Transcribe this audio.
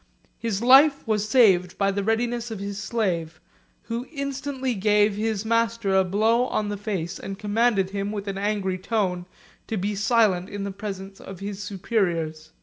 His life was saved by the readiness of his slave, who instantly gave his master a blow on the face, and commanded him, with an angry tone, to be silent in the presence of his superiors.